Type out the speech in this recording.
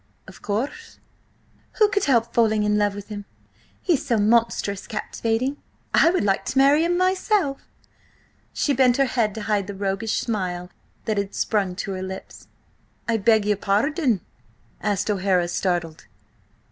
"Of course?" "Who could help falling in love with him? He's so monstrous captivating, I would like to marry him myself." She bent her head to hide the roguish smile that had sprung to her lips. "I beg your pardon?" asked O'Hara, startled.